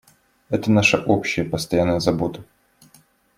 Это наша общая постоянная забота.